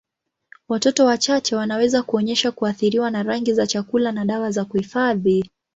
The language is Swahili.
Watoto wachache wanaweza kuonyesha kuathiriwa na rangi za chakula na dawa za kuhifadhi.